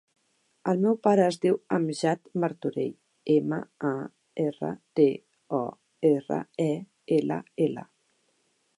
El meu pare es diu Amjad Martorell: ema, a, erra, te, o, erra, e, ela, ela.